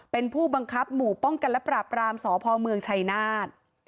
เป็นผู้บังคับหมู่ป้องกันและปราบรามสพเมืองชัยนาธ